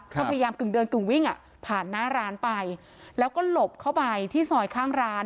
ก็พยายามกึ่งเดินกึ่งวิ่งอ่ะผ่านหน้าร้านไปแล้วก็หลบเข้าไปที่ซอยข้างร้าน